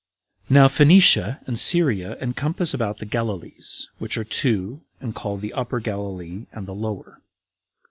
1. Now Phoenicia and Syria encompass about the Galilees, which are two, and called the Upper Galilee and the Lower.